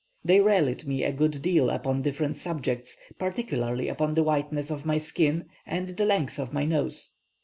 They rallied me a good deal upon different subjects, particularly upon the whiteness of my skin and the length of my nose.